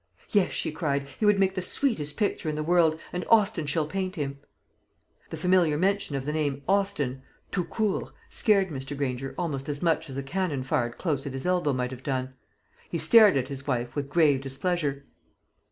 "Yes," she cried, "he would make the sweetest picture in the world, and Austin shall paint him." The familiar mention of the name Austin, tout court, scared Mr. Granger almost as much as a cannon fired close at his elbow might have done. He stared at his wife with grave displeasure.